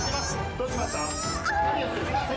・どうしました？